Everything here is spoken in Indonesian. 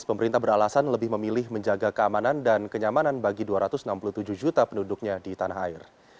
pemerintah beralasan lebih memilih menjaga keamanan dan kenyamanan bagi dua ratus enam puluh tujuh juta penduduknya di tanah air